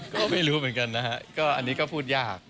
ก็ไม่รู้เหมือนกันนะฮะก็อันนี้ก็พูดยาก